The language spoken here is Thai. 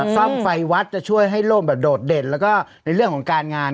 ซ่อมไฟวัดจะช่วยให้โลกแบบโดดเด่นแล้วก็ในเรื่องของการงาน